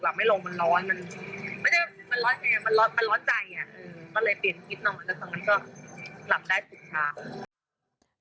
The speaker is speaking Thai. ก็เลยเปลี่ยนคิดนอนแล้วตอนนั้นก็หลับได้สุดท้าย